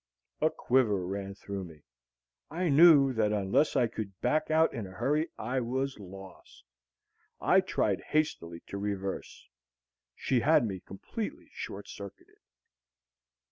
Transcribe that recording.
A quiver ran through me. I knew that unless I could back out in a hurry, I was lost. I tried hastily to reverse; she had me completely short circuited.